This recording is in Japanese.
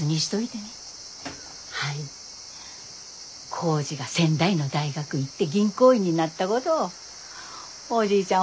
耕治が仙台の大学行って銀行員になったごどおじいちゃん